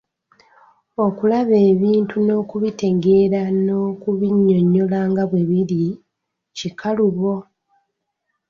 Okulaba ebintu n'obitegeera n'obinnyonnyola nga bwe biri, kikalubo.